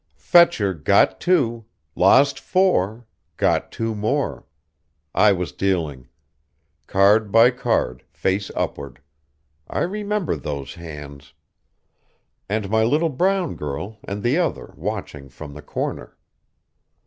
"Fetcher got two, lost four, got two more. I was dealing. Card by card, face upward. I remember those hands. And my little brown girl, and the other, watching from the corner.